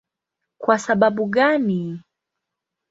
Kwa sababu gani?